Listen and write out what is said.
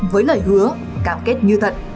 với lời hứa cam kết như thật